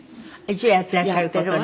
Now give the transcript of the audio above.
一応やってらっしゃる事に。